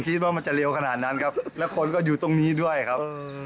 คิดว่ามันจะเร็วขนาดนั้นครับแล้วคนก็อยู่ตรงนี้ด้วยครับ